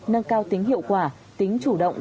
nâng cao tính hiệu quả tính chủ động